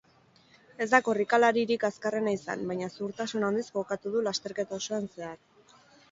Ez da korrikalaririk azkarrena izan baina zuhurtasun handiz jokatu du lasterketa osoan zehar.